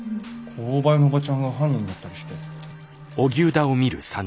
購買のおばちゃんが犯人だったりして。